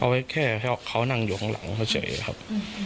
เอาไว้แค่ให้เขานั่งอยู่ข้างหลังก็เฉยครับ